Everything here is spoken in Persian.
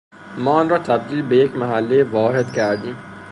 ما آن را تبدیل به یک محلهی واحد کردیم.